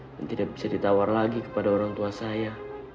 tidak bisa ditawar lagi kepada orang tua saya